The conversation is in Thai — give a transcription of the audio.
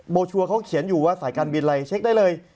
ชัวร์เขาเขียนอยู่ว่าสายการบินอะไรเช็คได้เลย